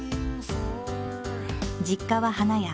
実家は花屋。